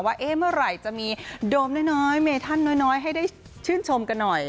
ว่าเมื่อไหร่จะมีโดมน้อยเมธันน้อยให้ได้ชื่นชมกันหน่อย